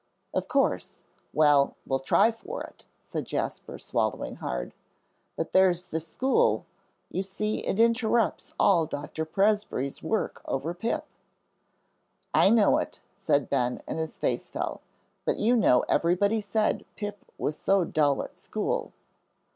"Of course. Well, we'll try for it," said Jasper, swallowing hard. "But there's the school; you see it interrupts all Dr. Presbrey's work over Pip." "I know it," said Ben, and his face fell. "But you know everybody said Pip was so dull at school."